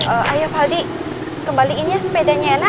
oh ayo faldi kembaliin ya sepedanya enak